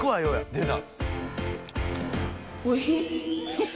出た！